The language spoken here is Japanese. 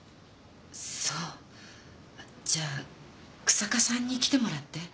そうじゃ日下さんに来てもらって。